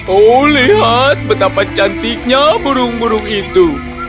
oh lihat betapa cantiknya burung burung itu